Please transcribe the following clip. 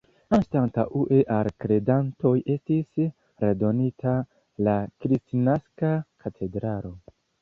Anstataŭe al la kredantoj estis redonita la Kristnaska katedralo.